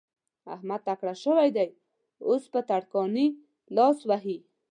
احمد تکړه شوی دی؛ اوس په ترکاڼي لاس وهي.